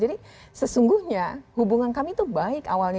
jadi sesungguhnya hubungan kami itu baik awalnya